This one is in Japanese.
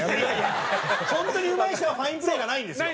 本当にうまい人はファインプレーがないんですよ。